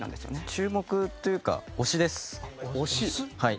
注目というか推しです。